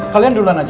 kalian duluan aja